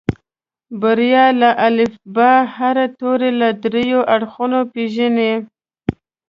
بريا د الفبا هر توری له دريو اړخونو پېژني.